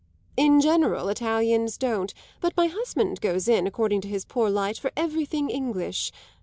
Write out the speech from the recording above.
In general Italians don't, but my husband goes in, according to his poor light, for everything English.